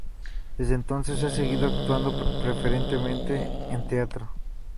Desde entonces ha seguido actuando preferentemente en teatro.